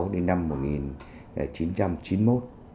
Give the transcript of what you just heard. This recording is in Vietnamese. đến năm một nghìn chín trăm chín mươi một